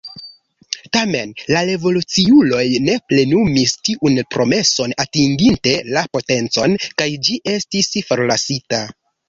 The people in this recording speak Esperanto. Tamen, la revoluciuloj ne plenumis tiun promeson atinginte la potencon kaj ĝi estis forlasita.